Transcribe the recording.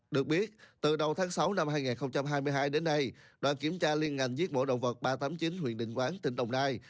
được biết từ đầu tháng sáu năm hai nghìn hai mươi hai đến nay đoàn kiểm tra liên ngành giết mổ động vật ba trăm tám mươi chín huyện định quán tỉnh đồng nai